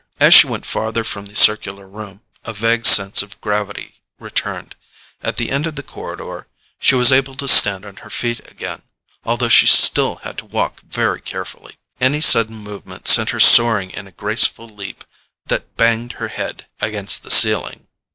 As she went farther from the circular room, a vague sense of gravity returned. At the end of the corridor she was able to stand on her feet again, although she still had to walk very carefully. Any sudden movement sent her soaring in a graceful leap that banged her head against the ceiling.